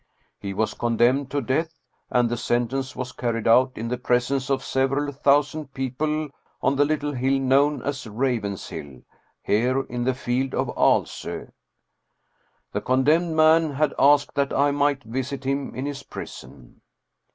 He was condemned to death, and the sentence was carried out in the presence of several thousand people on the little hill known as Ravenshill, here in the field of Aalso. The condemned man had asked that I might visit him in his prison.